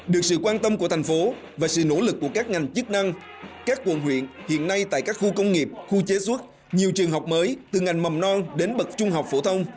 được sự quan tâm của thành phố và sự nỗ lực của các ngành chức năng các quận huyện hiện nay tại các khu công nghiệp khu chế xuất nhiều trường học mới từ ngành mầm non đến bậc trung học phổ thông